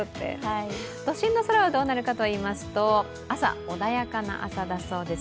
都心の空はどうなるかといいますと、穏やかな朝だそうです。